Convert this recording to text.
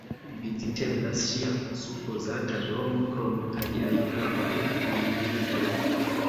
Viziteblas ŝia supozata domo, krom aliaj gravaj monumentoj.